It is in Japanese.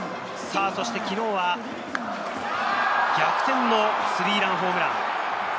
そして昨日は逆転のスリーランホームラン。